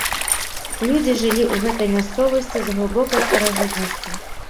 Людзі жылі ў гэтай мясцовасці з глыбокай старажытнасці.